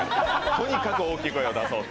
とにかく大きい声を出そうと。